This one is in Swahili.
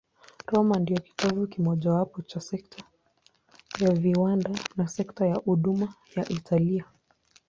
Roma ndiyo kitovu kimojawapo cha sekta ya viwanda na sekta ya huduma ya Italia.